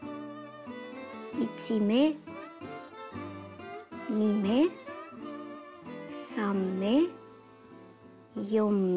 １目２目３目４目。